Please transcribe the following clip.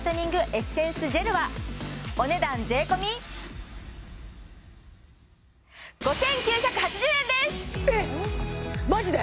エッセンスジェルはお値段税込５９８０円ですえっマジで？